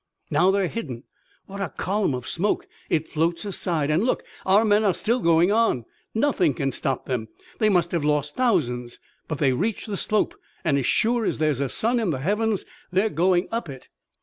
Now they're hidden! What a column of smoke! It floats aside, and, look, our men are still going on! Nothing can stop them! They must have lost thousands, but they reach the slope, and as sure as there's a sun in the heavens they're going up it!"